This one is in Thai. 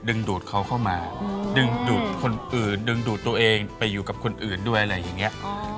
ดูดเขาเข้ามาดึงดูดคนอื่นดึงดูดตัวเองไปอยู่กับคนอื่นด้วยอะไรอย่างนี้